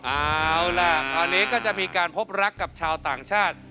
เอาล่ะคราวนี้ก็จะมีการพบรักกับชาวต่างชาติ